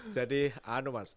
jadi anu mas